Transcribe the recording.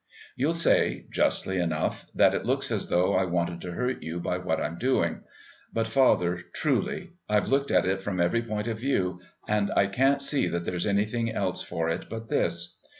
You'll say, justly enough, that it looks as though I wanted to hurt you by what I'm doing. But, father, truly, I've looked at it from every point of view, and I can't see that there's anything else for it but this.